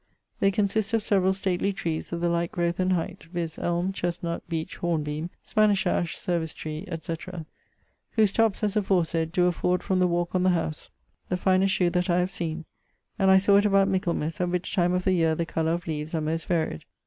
They consist of severall stately trees of the like groweth and heighth, viz. elme, chesnut, beach, hornebeame, Spanish ash, cervice tree, &c., whose topps (as aforesaid) doe afford from the walke on the howse the finest shew that I have seen, and I sawe it about Michaelmas, at which time of the yeare the colour of leaves are most varied.